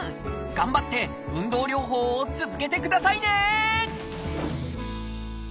頑張って運動療法を続けてくださいね！